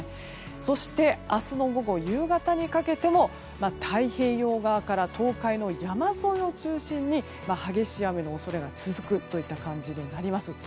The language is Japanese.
そして、明日の夕方にかけても太平洋側から東海の山沿いを中心に激しい雨の恐れが続くといった感じになります。